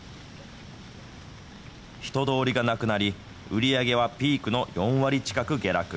人通りがなくなり、売り上げはピークの４割近く下落。